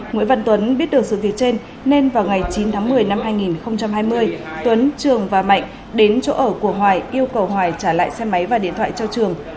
nguyễn văn tuấn biết được sự việc trên nên vào ngày chín tháng một mươi năm hai nghìn hai mươi tuấn trường và mạnh đến chỗ ở của hoài yêu cầu hoài trả lại xe máy và điện thoại cho trường